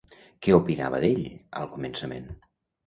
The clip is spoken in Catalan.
Què opinava d'ell al començament?